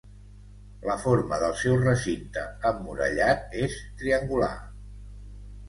La forma del seu recinte emmurallat és triangular.